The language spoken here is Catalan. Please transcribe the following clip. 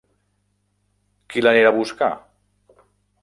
Qui l'anirà a buscar?